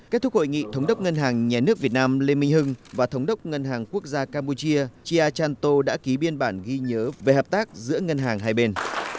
kết thúc hội nghị thống đốc ngân hàng nhà nước việt nam lê minh hưng và thống đốc ngân hàng quốc gia campuchia tia chanto đã ký biên bản ghi nhớ về hợp tác giữa ngân hàng hai bên